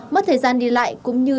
mất thời gian đi lại cũng như